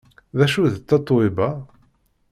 D acu d Tatoeba?